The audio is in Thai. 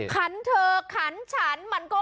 ใครออกแบบห้องน้ำวะ